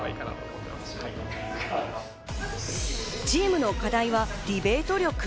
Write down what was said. チームの課題はディベート力。